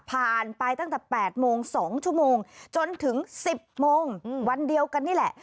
ผ่านไปตั้งแต่๘โมง๒ชั่วโมงจนถึง๑๐โมงวันเดียวกันนี่แหละ